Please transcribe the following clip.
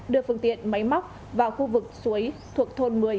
đưa phương tiện máy móc vào khu vực suối thuộc thôn một mươi